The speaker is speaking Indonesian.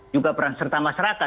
juga peran serta masyarakat